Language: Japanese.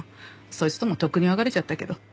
そいつともとっくに別れちゃったけど。